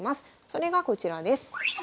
それがこちらです。